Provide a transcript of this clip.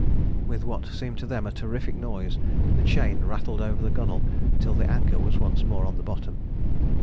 With what seemed to them a terrific noise, the chain rattled over the gunwale till the anchor was once more on the bottom.